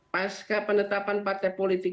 pasca penetapan partai politik